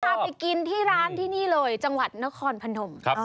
พาไปกินที่ร้านที่นี่เลยจังหวัดนครพนม